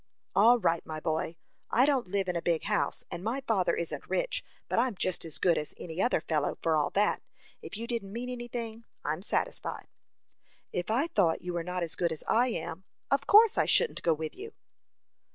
"All right, my boy. I don't live in a big house, and my father isn't rich; but I'm just as good as any other fellow, for all that. If you didn't mean any thing, I'm satisfied." "If I thought you were not as good as I am, of course I shouldn't go with you."